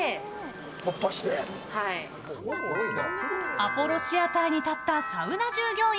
アポロ・シアターに立ったサウナ従業員。